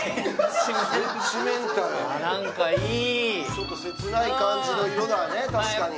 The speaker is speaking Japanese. ちょっと切ない感じの色だね、確かに。